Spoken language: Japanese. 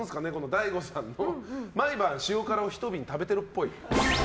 大悟さんの毎晩、塩辛を１瓶食べているっぽい。